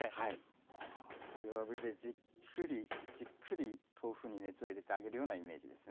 弱火でじっくりじっくり豆腐に熱を入れてあげるようなイメージですね。